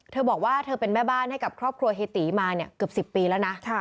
เธอบอกว่าเธอเป็นแม่บ้านให้กับครอบครัวเฮตีมาเกือบ๑๐ปีแล้วนะ